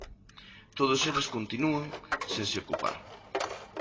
Todos eles continúan sen se ocupar.